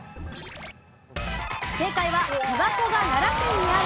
正解は琵琶湖が奈良県にある。